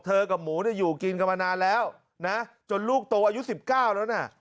กับหมูเนี่ยอยู่กินกันมานานแล้วนะจนลูกโตอายุ๑๙แล้วนะ